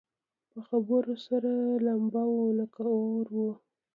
په خبرو سره لمبه وه لکه اور وه